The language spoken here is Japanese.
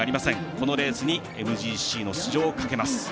このレースにＭＧＣの出場をかけます。